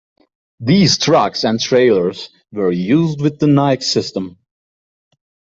These trucks and trailers were used with the Nike system.